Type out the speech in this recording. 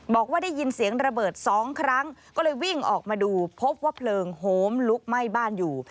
บอกว่าได้ยินเสียงระเบิดสองครั้งก็เลยวิ่งออกมาดูพบว่าเพลิงโหมลุกไหม้บ้านอยู่